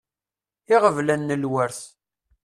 Iɣeblan n lwert.